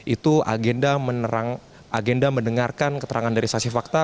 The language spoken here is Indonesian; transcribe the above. itu agenda mendengarkan keterangan dari saksi fakta